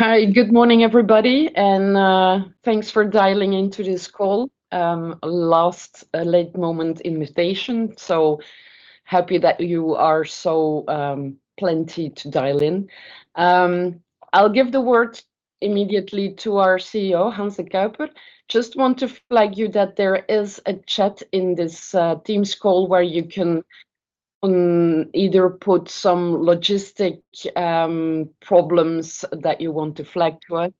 Hi, good morning, everybody. Thanks for dialing in to this call. Last late-moment invitation. Happy that you are so plenty to dial in. I'll give the word immediately to our CEO, Hans De Cuyper. Just want to flag you that there is a chat in this Teams call where you can either put some logistic problems that you want to flag to us,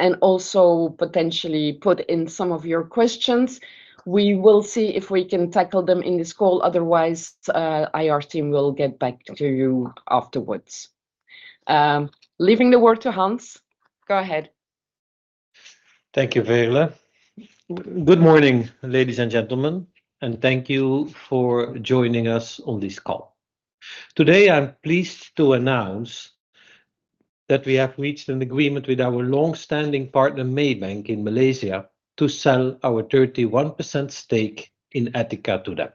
and also potentially put in some of your questions. We will see if we can tackle them in this call. Otherwise, IR team will get back to you afterwards. Leaving the word to Hans. Go ahead. Thank you, Veerle. Good morning, ladies and gentlemen. Thank you for joining us on this call. Today, I'm pleased to announce that we have reached an agreement with our long-standing partner, Maybank in Malaysia, to sell our 31% stake in Etiqa to them.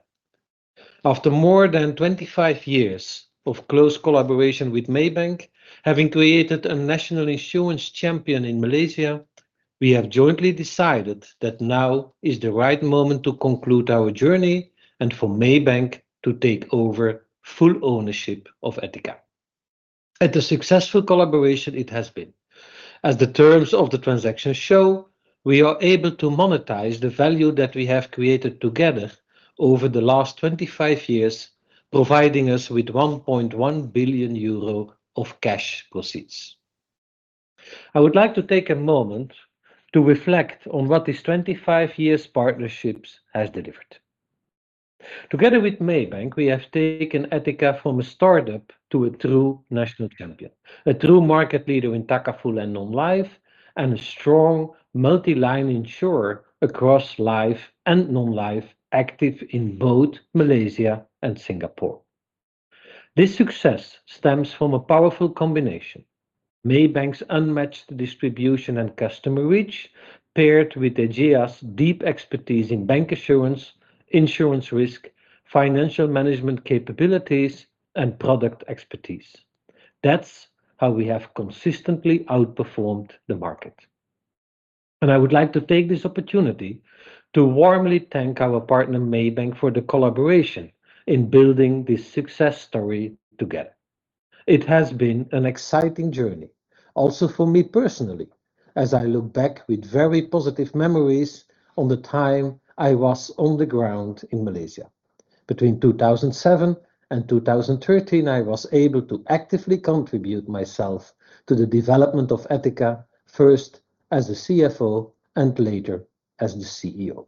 After more than 25 years of close collaboration with Maybank, having created a national insurance champion in Malaysia, we have jointly decided that now is the right moment to conclude our journey and for Maybank to take over full ownership of Etiqa. A successful collaboration it has been. As the terms of the transaction show, we are able to monetize the value that we have created together over the last 25 years, providing us with 1.1 billion euro of cash proceeds. I would like to take a moment to reflect on what this 25 years partnership has delivered. Together with Maybank, we have taken Etiqa from a startup to a true national champion, a true market leader in Takaful and non-life, and a strong multi-line insurer across life and non-life, active in both Malaysia and Singapore. This success stems from a powerful combination. Maybank's unmatched distribution and customer reach paired with Ageas' deep expertise in bancassurance, insurance risk, financial management capabilities, and product expertise. That's how we have consistently outperformed the market. I would like to take this opportunity to warmly thank our partner, Maybank, for the collaboration in building this success story together. It has been an exciting journey also for me personally, as I look back with very positive memories on the time I was on the ground in Malaysia. Between 2007 and 2013, I was able to actively contribute myself to the development of Etiqa, first as the CFO and later as the CEO.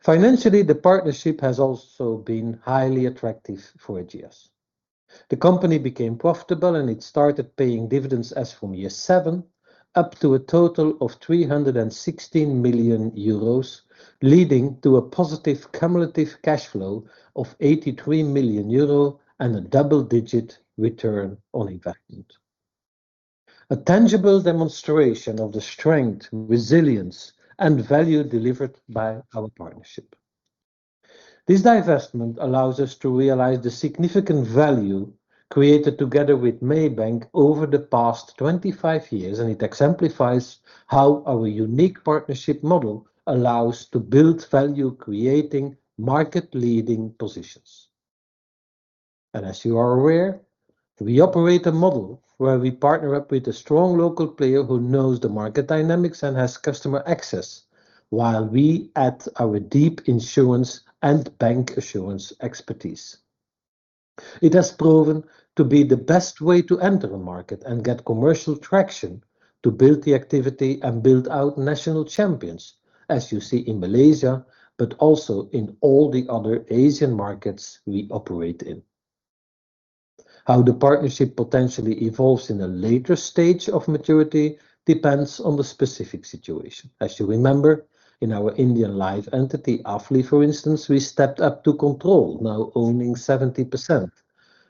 Financially, the partnership has also been highly attractive for Ageas. The company became profitable, and it started paying dividends as from year seven, up to a total of 316 million euros, leading to a positive cumulative cash flow of 83 million euro and a double-digit return on investment. A tangible demonstration of the strength, resilience, and value delivered by our partnership. This divestment allows us to realize the significant value created together with Maybank over the past 25 years. It exemplifies how our unique partnership model allows to build value, creating market-leading positions. As you are aware, we operate a model where we partner up with a strong local player who knows the market dynamics and has customer access, while we add our deep insurance and bancassurance expertise. It has proven to be the best way to enter a market and get commercial traction to build the activity and build out national champions, as you see in Malaysia, but also in all the other Asian markets we operate in. How the partnership potentially evolves in a later stage of maturity depends on the specific situation. As you remember, in our Indian life entity, Ageas Federal Life Insurance, for instance, we stepped up to control, now owning 70%.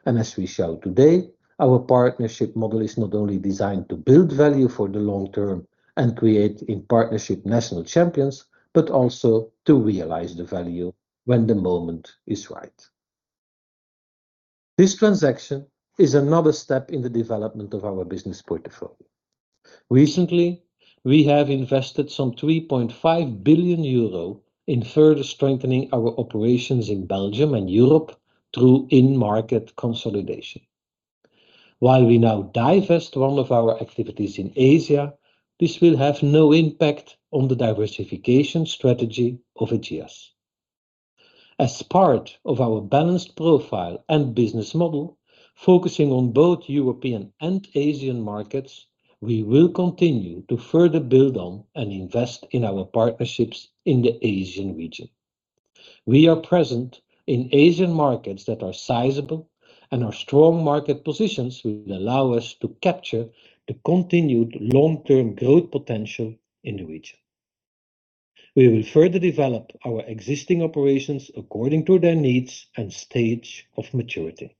As we show today, our partnership model is not only designed to build value for the long term and create, in partnership, national champions, but also to realize the value when the moment is right. This transaction is another step in the development of our business portfolio. Recently, we have invested some 3.5 billion euro in further strengthening our operations in Belgium and Europe through in-market consolidation. While we now divest one of our activities in Asia, this will have no impact on the diversification strategy of Ageas. As part of our balanced profile and business model, focusing on both European and Asian markets, we will continue to further build on and invest in our partnerships in the Asian region. We are present in Asian markets that are sizable, and our strong market positions will allow us to capture the continued long-term growth potential in the region. We will further develop our existing operations according to their needs and stage of maturity.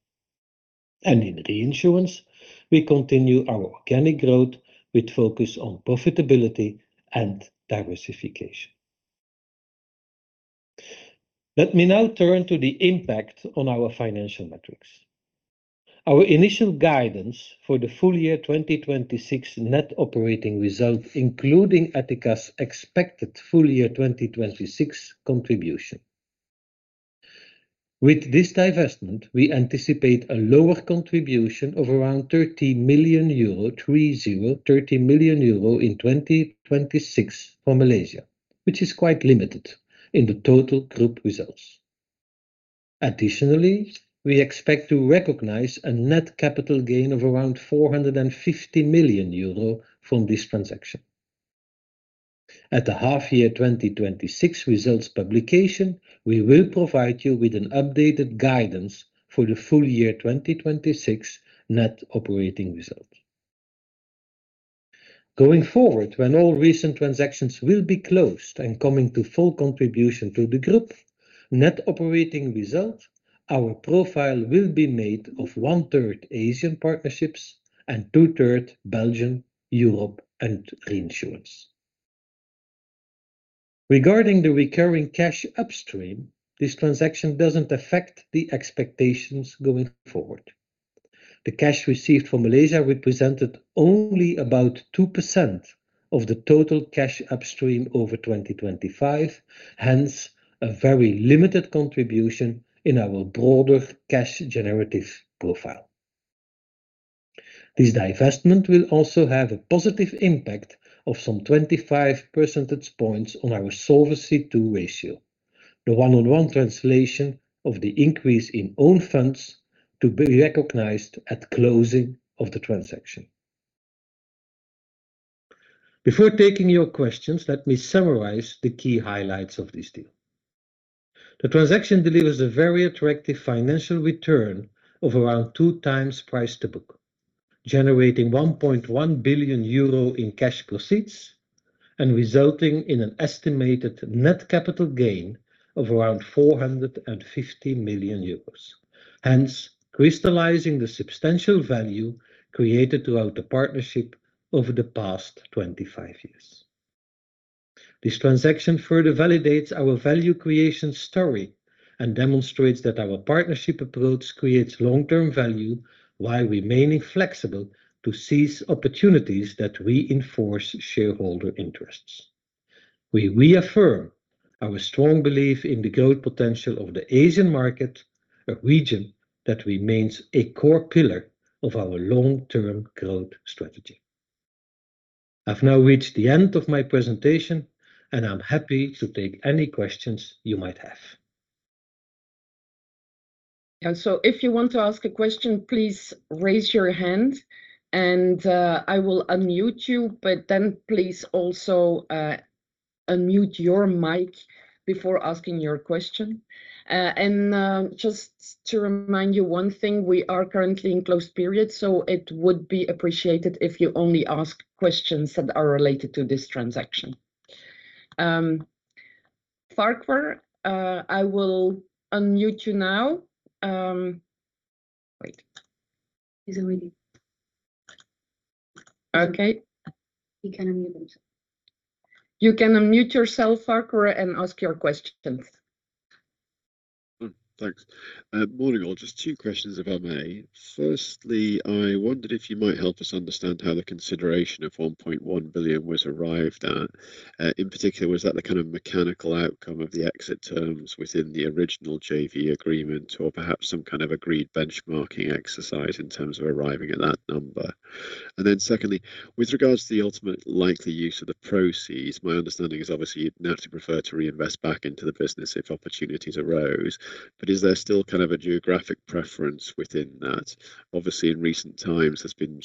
In reinsurance, we continue our organic growth with focus on profitability and diversification. Let me now turn to the impact on our financial metrics. Our initial guidance for the full year 2026 net operating result, including Etiqa's expected full year 2026 contribution. With this divestment, we anticipate a lower contribution of around 30 million euro in 2026 from Malaysia, which is quite limited in the total group results. Additionally, we expect to recognize a net capital gain of around 450 million euro from this transaction. At the half year 2026 results publication, we will provide you with an updated guidance for the full year 2026 net operating result. Going forward, when all recent transactions will be closed and coming to full contribution to the group net operating result, our profile will be made of 1/3 Asian partnerships, and 2/3 Belgian, Europe, and reinsurance. Regarding the recurring cash upstream, this transaction doesn't affect the expectations going forward. The cash received from Malaysia represented only about 2% of the total cash upstream over 2025, hence, a very limited contribution in our broader cash generative profile. This divestment will also have a positive impact of some 25 percentage points on our Solvency II ratio. The one-on-one translation of the increase in own funds to be recognized at closing of the transaction. Before taking your questions, let me summarize the key highlights of this deal. The transaction delivers a very attractive financial return of around two times price-to-book, generating 1.1 billion euro in cash proceeds, and resulting in an estimated net capital gain of around 450 million euros, hence crystallizing the substantial value created throughout the partnership over the past 25 years. This transaction further validates our value creation story and demonstrates that our partnership approach creates long-term value while remaining flexible to seize opportunities that reinforce shareholder interests. We reaffirm our strong belief in the growth potential of the Asian market, a region that remains a core pillar of our long-term growth strategy. I've now reached the end of my presentation, and I'm happy to take any questions you might have. Yeah, if you want to ask a question, please raise your hand and I will unmute you. Please also unmute your mic before asking your question. Just to remind you one thing, we are currently in closed period, so it would be appreciated if you only ask questions that are related to this transaction. Farquhar, I will unmute you now. Wait. He's already. Okay. We can unmute him. You can unmute yourself, Farquhar, and ask your questions. Thanks. Morning, all. Just two questions, if I may. Firstly, I wondered if you might help us understand how the consideration of 1.1 billion was arrived at. In particular, was that the kind of mechanical outcome of the exit terms within the original JV agreement, or perhaps some kind of agreed benchmarking exercise in terms of arriving at that number? Secondly, with regards to the ultimate likely use of the proceeds, my understanding is obviously you'd naturally prefer to reinvest back into the business if opportunities arose. Is there still kind of a geographic preference within that? Obviously in recent times there's been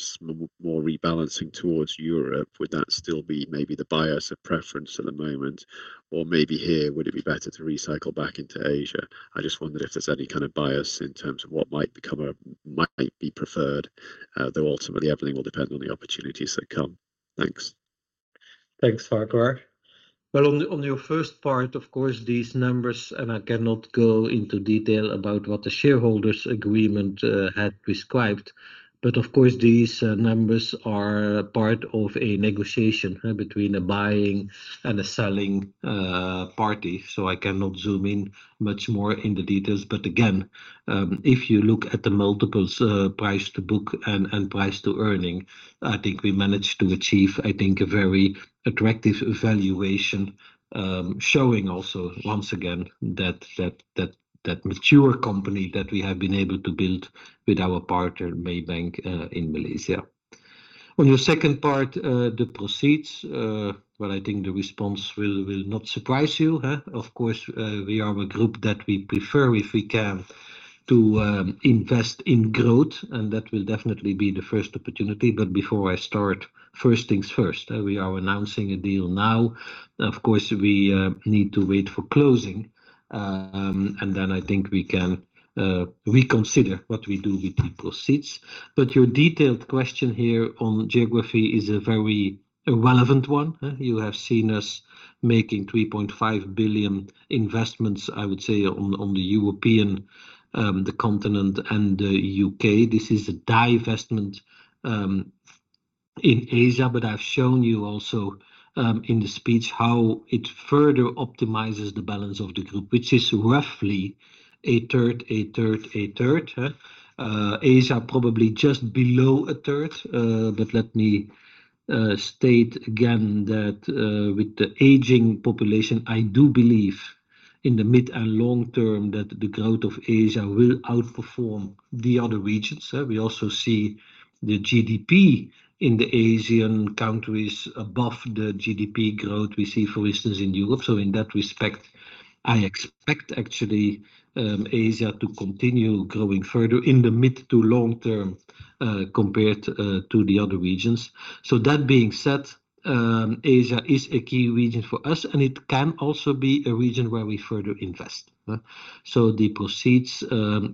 more rebalancing towards Europe. Would that still be maybe the bias of preference at the moment? Or maybe here, would it be better to recycle back into Asia? I just wonder if there's any kind of bias in terms of what might be preferred, though ultimately everything will depend on the opportunities that come. Thanks. Thanks, Farquhar. Well, on your first part, of course, these numbers, and I cannot go into detail about what the shareholders' agreement had prescribed, but of course, these numbers are part of a negotiation between a buying and a selling party. I cannot zoom in much more in the details. Again, if you look at the multiples price-to-book and price-to-earnings, I think we managed to achieve, I think, a very attractive valuation, showing also, once again, that mature company that we have been able to build with our partner, Maybank, in Malaysia. On your second part, the proceeds, well, I think the response will not surprise you. Of course, we are a group that we prefer, if we can, to invest in growth, and that will definitely be the first opportunity. Before I start, first things first. We are announcing a deal now. Your detailed question here on geography is a very relevant one. You have seen us making 3.5 billion investments, I would say on the European, the continent and the U.K. This is a divestment in Asia, but I've shown you also in the speech how it further optimizes the balance of the group, which is roughly a third, a third, a third. Asia probably just below a third. Let me state again that with the aging population, I do believe in the mid and long term that the growth of Asia will outperform the other regions. We also see the GDP in the Asian countries above the GDP growth we see, for instance, in Europe. In that respect, I expect actually Asia to continue growing further in the mid to long term compared to the other regions. That being said, Asia is a key region for us, and it can also be a region where we further invest. The proceeds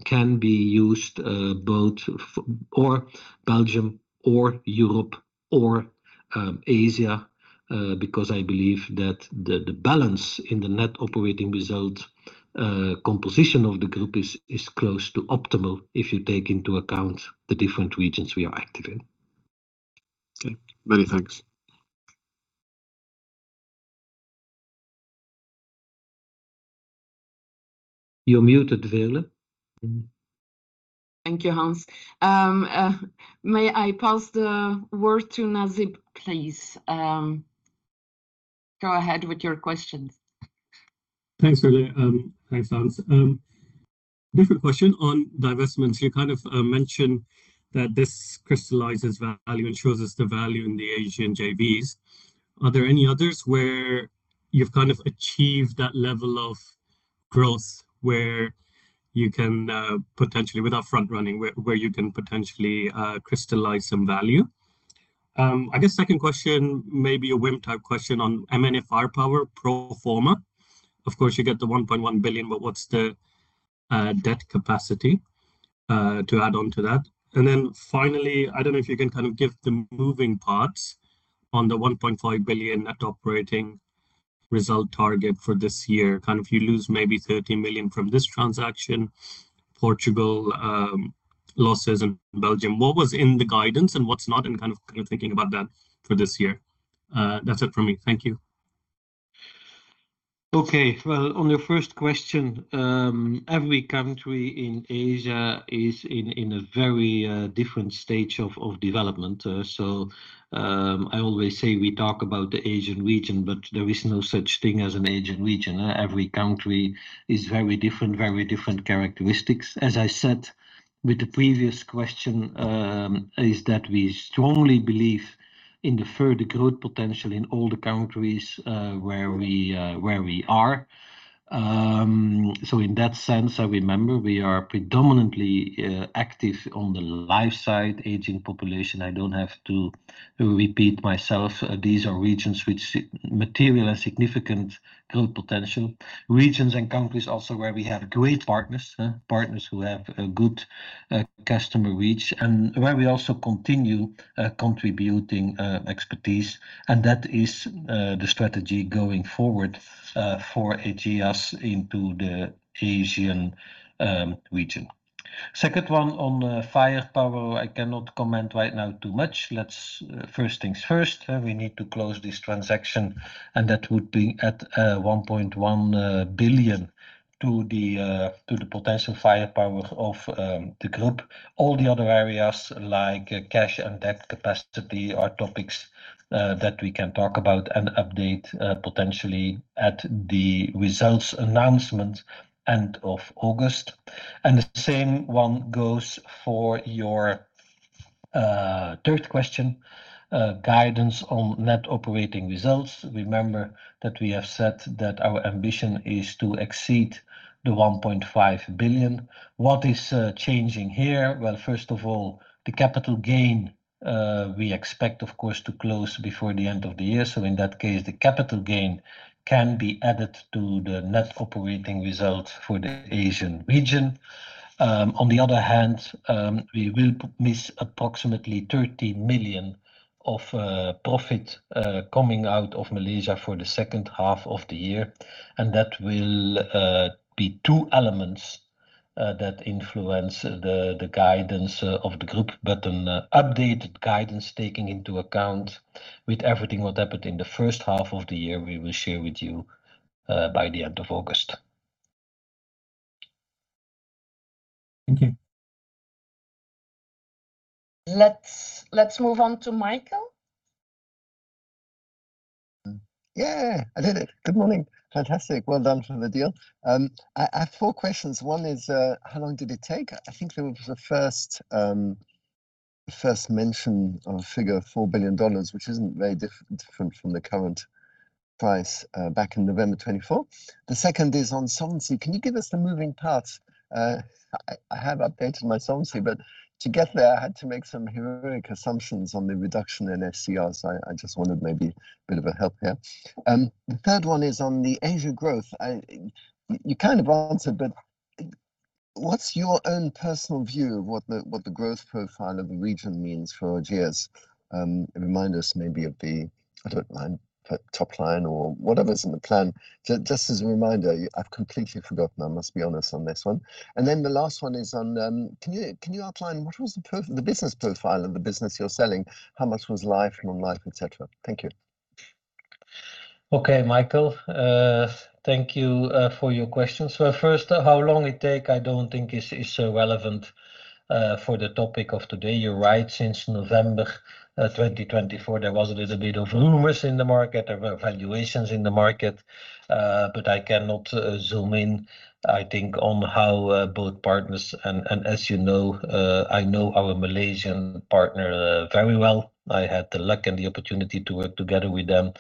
can be used both for Belgium or Europe or Asia, because I believe that the balance in the net operating result composition of the group is close to optimal if you take into account the different regions we are active in. Okay. Many thanks. You're muted, Veerle. Thank you, Hans. May I pass the word to Nasib, please? Go ahead with your questions. Thanks, Veerle. Thanks, Hans. Different question on divestments. You mentioned that this crystallizes value and shows us the value in the Asian JVs. Are there any others where you've achieved that level of growth where you can potentially, without front-running, where you can potentially crystallize some value? I guess second question may be a Wim-type question on M&A power pro forma. Of course, you get the 1.1 billion, but what's the debt capacity to add on to that? Finally, I don't know if you can give the moving parts on the 1.5 billion net operating result target for this year. You lose maybe 30 million from this transaction, Portugal losses and Belgium. What was in the guidance and what's not, and thinking about that for this year? That's it from me. Thank you. Okay. Well, on your first question, every country in Asia is in a very different stage of development. I always say we talk about the Asian region, but there is no such thing as an Asian region. Every country is very different, very different characteristics. As I said with the previous question, is that we strongly believe in the further growth potential in all the countries where we are. In that sense, remember, we are predominantly active on the life side, aging population. I don't have to repeat myself. These are regions which materialize a significant growth potential. Regions and countries also where we have great partners. Partners who have a good customer reach, and where we also continue contributing expertise, and that is the strategy going forward for Ageas into the Asian region. Second one on firepower, I cannot comment right now too much. First things first, we need to close this transaction, and that would be at 1.1 billion to the potential firepower of the group. All the other areas like cash and debt capacity are topics that we can talk about and update potentially at the results announcement end of August. The same one goes for your third question, guidance on net operating result. Remember that we have said that our ambition is to exceed the 1.5 billion. What is changing here? Well, first of all, the capital gain we expect, of course, to close before the end of the year. In that case, the capital gain can be added to the net operating result for the Asian region. On the other hand, we will miss approximately 30 million of profit coming out of Malaysia for the second half of the year. That will be two elements that influence the guidance of the group. An updated guidance taking into account with everything what happened in the first half of the year, we will share with you by the end of August. Thank you. Let's move on to Michael. Yeah, I did it. Good morning. Fantastic. Well done for the deal. I have four questions. One is, how long did it take? I think there was a first mention of a figure of $4 billion, which isn't very different from the current price back in November 2024. The second is on solvency. Can you give us the moving parts? I have updated my solvency. To get there, I had to make some heroic assumptions on the reduction in SCRs. I just wanted maybe a bit of a help here. The third one is on the Asia growth. You kind of answered. What's your own personal view of what the growth profile of the region means for Ageas? Remind us maybe of the, I don't mind, top line or whatever's in the plan. Just as a reminder, I've completely forgotten, I must be honest on this one. The last one is on, can you outline what was the business profile of the business you're selling? How much was life, non-life, et cetera? Thank you. Okay, Michael. Thank you for your question. First, how long it takes, I don't think is so relevant for the topic of today. You're right. Since November 2024, there was a little bit of rumors in the market, of valuations in the market. I cannot zoom in, I think, on how both partners. As you know, I know our Malaysian partner very well. I had the luck and the opportunity to work together with them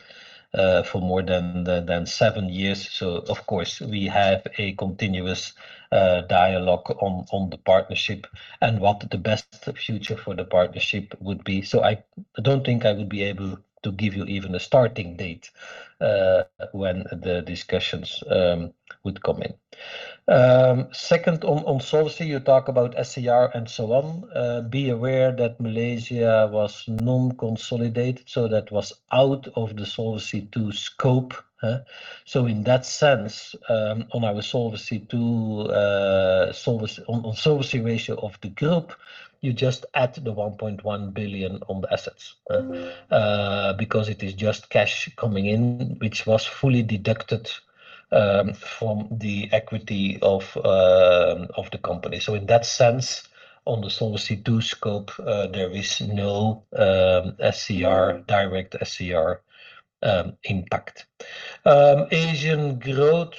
for more than seven years. Of course, we have a continuous dialogue on the partnership and what the best future for the partnership would be. I don't think I would be able to give you even a starting date when the discussions would come in. Second, on solvency, you talk about SCR and so on. Be aware that Malaysia was non-consolidated, so that was out of the Solvency II scope. In that sense, on our Solvency II, on solvency ratio of the group, you just add the 1.1 billion on the assets. Because it is just cash coming in, which was fully deducted from the equity of the company. In that sense, on the Solvency II scope, there is no direct SCR impact. Asian growth,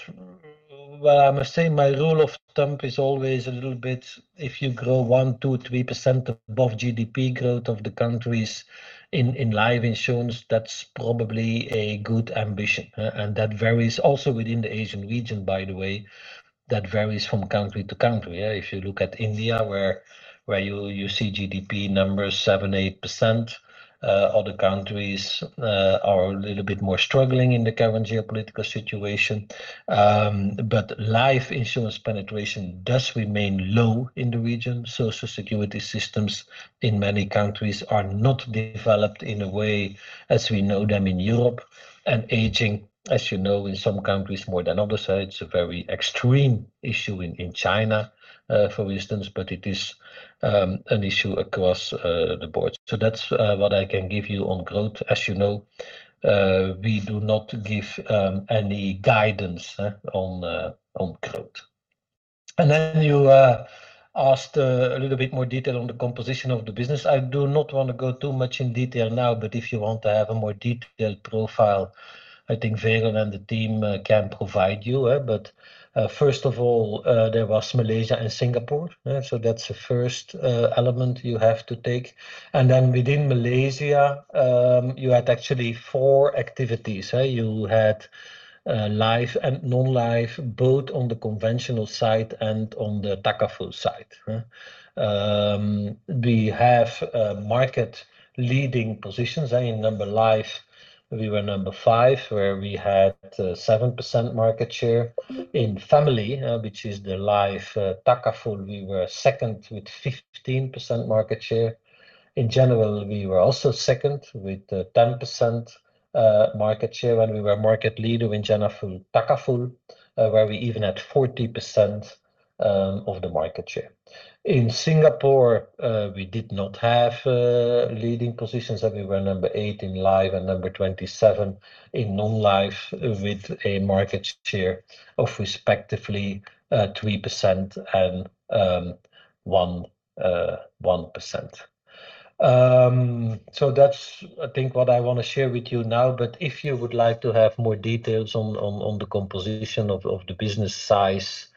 well, I must say my rule of thumb is always a little bit, if you grow 1%, 2%, 3% above GDP growth of the countries in life insurance, that's probably a good ambition. That varies also within the Asian region, by the way. That varies from country to country. If you look at India where you see GDP numbers 7%, 8%, other countries are a little bit more struggling in the current geopolitical situation. Life insurance penetration does remain low in the region. Social security systems in many countries are not developed in a way as we know them in Europe. Aging, as you know, in some countries more than others. It's a very extreme issue in China, for instance, it is an issue across the board. That's what I can give you on growth. As you know, we do not give any guidance on growth. You asked a little bit more detail on the composition of the business. I do not want to go too much in detail now, if you want to have a more detailed profile, I think Veerle and the team can provide you. First of all, there was Malaysia and Singapore. That's the first element you have to take. Within Malaysia, you had actually four activities. You had life and non-life, both on the conventional side and on the Takaful side. We have market-leading positions. In number life, we were number five, where we had 7% market share. In family, which is the life Takaful, we were second with 15% market share. In general, we were also second with 10% market share, and we were market leader in general Takaful, where we even had 40% of the market share. In Singapore, we did not have leading positions, and we were number eight in life and number 27 in non-life, with a market share of respectively 3% and 1%. That's I think what I want to share with you now, but if you would like to have more details on the composition of the business size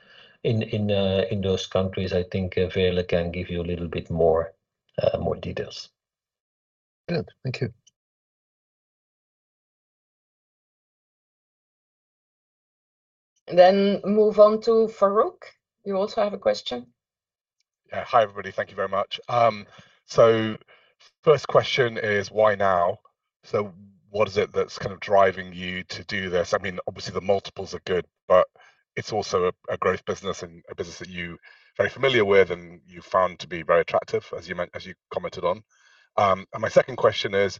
in those countries, I think Veerle can give you a little bit more details. Good. Thank you. Move on to Farooq. You also have a question. Yeah. Hi, everybody. Thank you very much. First question is why now? What is it that's kind of driving you to do this? Obviously the multiples are good, but it's also a growth business and a business that you're very familiar with and you found to be very attractive, as you commented on. My second question is,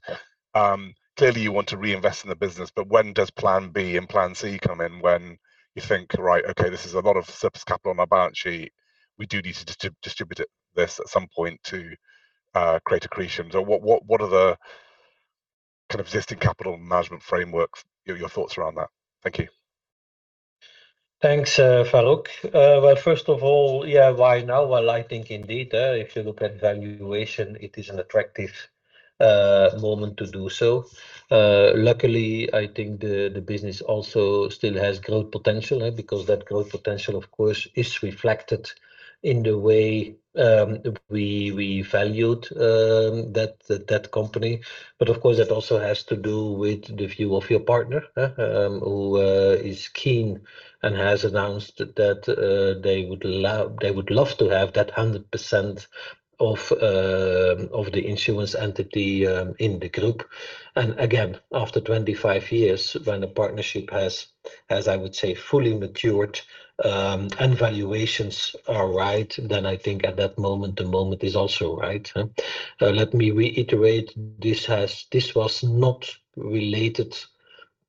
clearly you want to reinvest in the business, but when does plan B and plan C come in when you think, right, okay, this is a lot of surplus capital on our balance sheet. We do need to distribute this at some point to create accretions. What are the kind of existing capital management frameworks, your thoughts around that? Thank you. Thanks, Farooq. First of all, why now? I think indeed, if you look at valuation, it is an attractive moment to do so. Luckily, I think the business also still has growth potential because that growth potential, of course, is reflected in the way we valued that company. Of course, that also has to do with the view of your partner, who is keen and has announced that they would love to have that 100% of the insurance entity in the group. Again, after 25 years, when a partnership has, as I would say, fully matured and valuations are right, then I think at that moment, the moment is also right. Let me reiterate, this was not related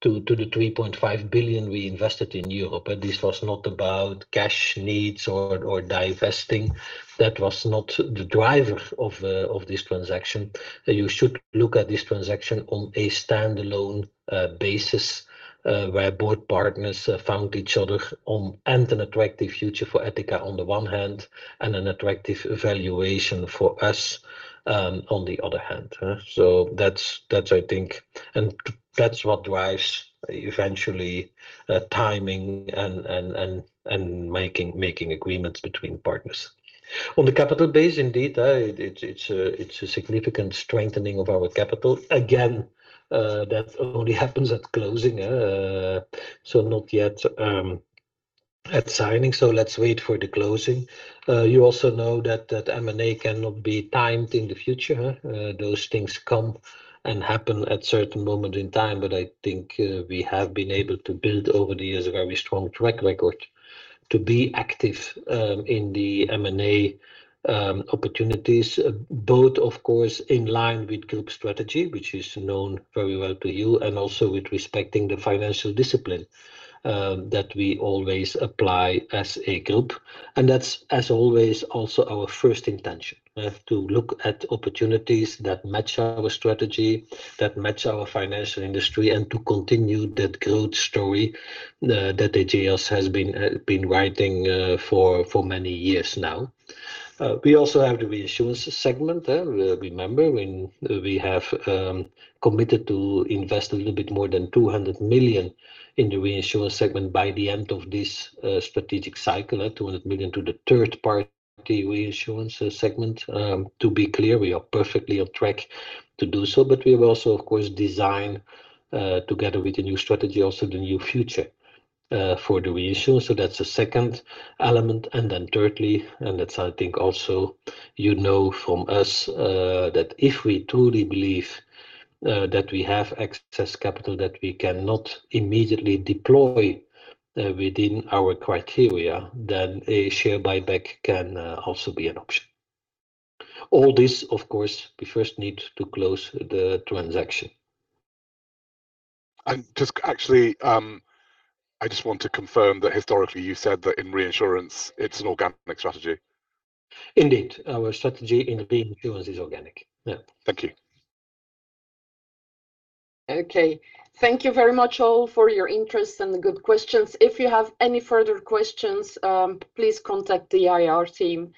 to the 3.5 billion we invested in Europe. This was not about cash needs or divesting. That was not the driver of this transaction. You should look at this transaction on a standalone basis, where both partners found each other and an attractive future for Etiqa on the one hand, and an attractive valuation for us on the other hand. That's what drives, eventually, timing and making agreements between partners. On the capital base, indeed, it's a significant strengthening of our capital. That only happens at closing, so not yet at signing. Let's wait for the closing. You also know that M&A cannot be timed in the future. Those things come and happen at a certain moment in time, I think we have been able to build over the years a very strong track record to be active in the M&A opportunities, both, of course, in line with group strategy, which is known very well to you, and also with respecting the financial discipline that we always apply as a group. That's, as always, also our first intention. To look at opportunities that match our strategy, that match our financial industry, and to continue that growth story that Ageas has been writing for many years now. We also have the reinsurance segment. Remember, we have committed to invest a little bit more than 200 million in the reinsurance segment by the end of this strategic cycle, 200 million to the third-party reinsurance segment. To be clear, we are perfectly on track to do so, we have also, of course, designed together with the new strategy, also the new future for the reinsurance, that's the second element. Thirdly, that's I think also you know from us, that if we truly believe that we have excess capital that we cannot immediately deploy within our criteria, then a share buyback can also be an option. All this, of course, we first need to close the transaction. Just actually, I just want to confirm that historically, you said that in reinsurance it's an organic strategy. Indeed. Our strategy in reinsurance is organic. Yeah. Thank you. Okay. Thank you very much all for your interest and the good questions. If you have any further questions, please contact the IR team.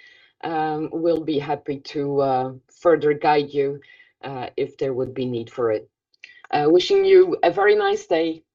We'll be happy to further guide you if there would be need for it. Wishing you a very nice day. Goodbye